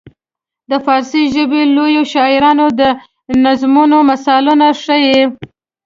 د فارسي ژبې لویو شاعرانو د نظمونو مثالونه ښيي.